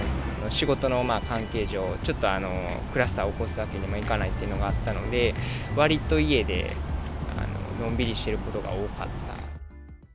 仕事の関係上、ちょっと、クラスターを起こすわけにもいかないっていうのがあったので、わりと家でのんびりしてることが多かった。